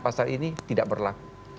pasal ini tidak berlaku